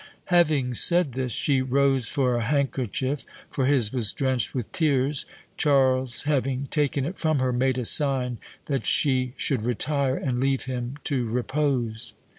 Having said this, she rose for a handkerchief, for his was drenched with tears: Charles having taken it from her, made a sign that she should retire and leave him to repose."